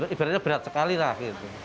ibaratnya berat sekali lah